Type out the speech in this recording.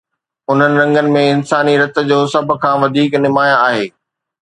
انهن رنگن ۾ انساني رت جو رنگ سڀ کان وڌيڪ نمايان آهي.